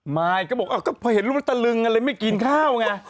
ไม่ก็บอกพอเห็นรูปตะลึงเลยไม่กินข้าวไง